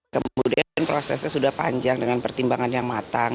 kemudian prosesnya sudah panjang dengan pertimbangan yang matang